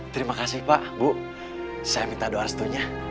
terima kasih pak bu saya minta doa restunya